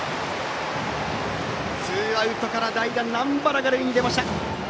ツーアウトから代打、南原が塁に出ました。